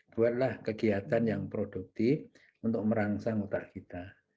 buatlah kegiatan yang produktif untuk merangsang otak kita